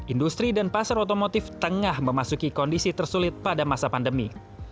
industri dan pasar otomotif tengah memasuki kondisi tersulit pada masa pandemi